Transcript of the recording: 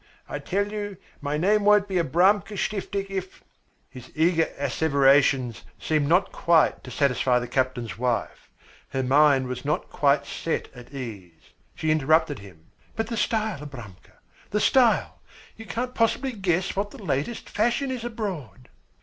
I tell you, my name won't be Abramka Stiftik if " His eager asseverations seemed not quite to satisfy the captain's wife. Her mind was not quite set at ease. She interrupted him. "But the style, Abramka, the style! You can't possibly guess what the latest fashion is abroad."